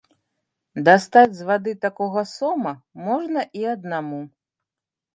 Дастаць з вады такога сома можна і аднаму.